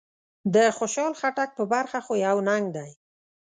د خوشحال خټک په برخه خو يو ننګ دی.